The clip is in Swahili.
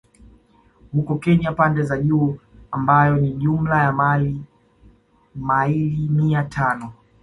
Huko Kenya pande za juu ambayo ni jumla ya maili mia tano